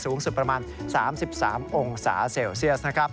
สูงสุดประมาณ๓๓องศาเซลเซียสนะครับ